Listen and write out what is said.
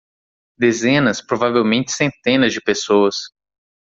Dezenas, provavelmente centenas de pessoas.